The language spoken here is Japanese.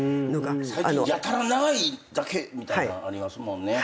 最近やたら長いだけみたいなんありますもんね。